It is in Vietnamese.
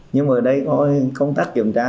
nhưng mà ở đây có công tác kiểm tra